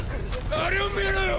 あれを見ろよ！！